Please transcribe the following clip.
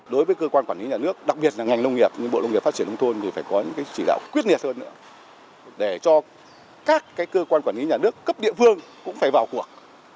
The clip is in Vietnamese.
đối với cơ quan quản lý nhà nước đặc biệt là ngành nông nghiệp bộ nông nghiệp phát triển nông thôn thì phải có những chỉ đạo quyết liệt hơn nữa để cho các cơ quan quản lý nhà nước cấp địa phương cũng phải vào cuộc